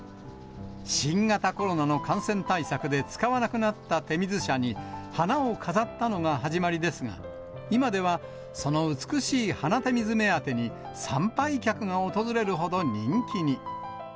新型コロナの感染対策で使わなくなった手水舎に、花を飾ったのが始まりですが、今ではその美しい花手水目当てに、参拝客が訪れるほど人気に。